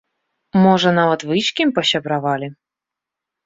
Можа, нават вы з кім пасябравалі?